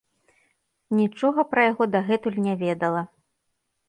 Нічога пра яго дагэтуль не ведала.